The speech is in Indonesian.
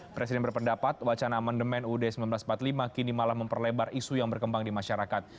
presiden berpendapat wacana amandemen ud seribu sembilan ratus empat puluh lima kini malah memperlebar isu yang berkembang di masyarakat